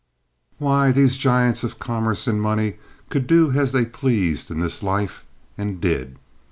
Why, these giants of commerce and money could do as they pleased in this life, and did.